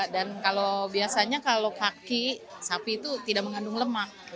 dan kalau biasanya kalau kaki sapi itu tidak mengandung lemak